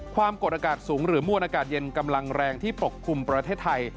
ความกดอากาศสูงหรือมวลอากาศเย็นกำลังแรงที่ปกคลุมประเทศไทย